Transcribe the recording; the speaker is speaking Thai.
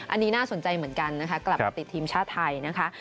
อันนี้น่าสนใจเหมือนกันนะคะกลับมาติดทีมชาติไทยนะคะ